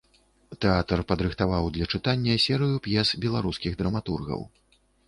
Тэатр падрыхтаваў для чытання серыю п'ес беларускіх драматургаў.